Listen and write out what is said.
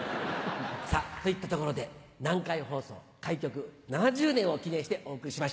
さぁといったところで南海放送開局７０年を記念してお送りしました。